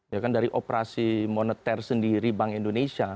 ya kan dari operasi moneter sendiri bank indonesia